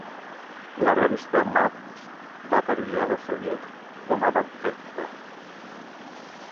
La revista "Mad" va parodiar la sèrie com a "Barfetta".